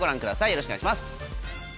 よろしくお願いします。